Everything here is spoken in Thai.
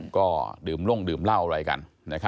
ก็ดื่มลงดื่มเหล้าอะไรกัน